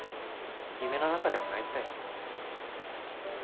夢の中でも泣いてたよ。